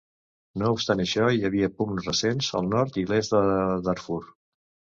No obstant això, hi havia pugnes recents al nord i l'est de Darfur.